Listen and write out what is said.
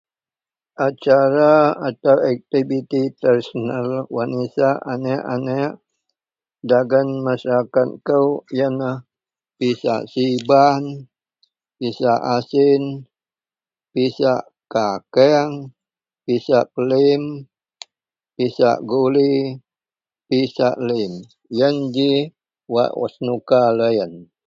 Acara atau aktiviti tradisional wak nisak anek-anek dagen masarakat kou iyenlah pisak siban pisak asin pisak kakeang pisak pelim pisak guli pisak lim iyen ji wak senuka loyen.